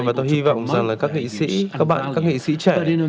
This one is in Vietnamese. và tôi hy vọng rằng là các nghị sĩ các bạn các nghị sĩ trẻ